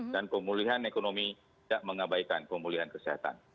dan pemulihan ekonomi tidak mengabaikan pemulihan kesehatan